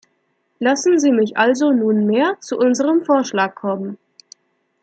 Lassen Sie mich also nunmehr zu unserem Vorschlag kommen.